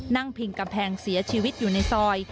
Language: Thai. พิงกำแพงเสียชีวิตอยู่ในซอย